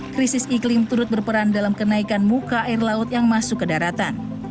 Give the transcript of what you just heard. krisis iklim turut berperan dalam kenaikan muka air laut yang masuk ke daratan